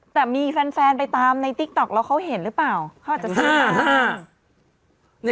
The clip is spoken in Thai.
แต่มีแฟนไปตามในติ๊กต๊อกแล้วเขาเห็นหรือเปล่าเขาอาจจะทราบ